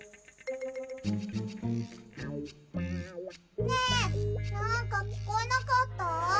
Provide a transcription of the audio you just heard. ねえなんかきこえなかった？